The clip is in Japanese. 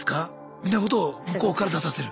みたいなことを向こうから出させる。